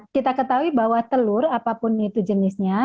kita ketahui bahwa telur apapun itu jenisnya